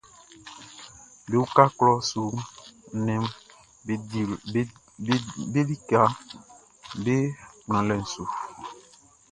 Be uka klɔʼn su nnɛnʼm be likaʼm be kplanlɛʼn su.